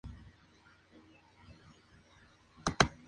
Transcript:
Madrox libera a Guido, y Forja crea un dispositivo para curar a Guido.